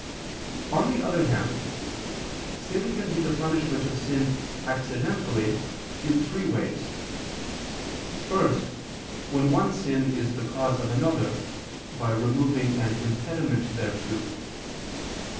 On the other hand, sin can be the punishment of sin accidentally in three ways. First, when one sin is the cause of another, by removing an impediment thereto.